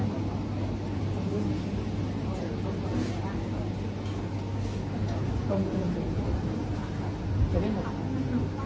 ทุกอย่างในสี่บันดีที่รายสุดคือว่าอาหารกับห้องอาหาร